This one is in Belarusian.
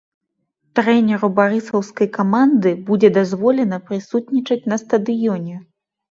Трэнеру барысаўскай каманды будзе дазволена прысутнічаць на стадыёне.